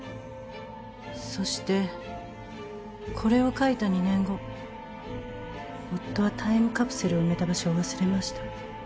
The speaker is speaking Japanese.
そしてこれを書いた２年後夫はタイムカプセルを埋めた場所を忘れました。